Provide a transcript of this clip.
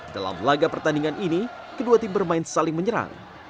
dalam laga pertandingan ini kedua tim bermain saling menyerang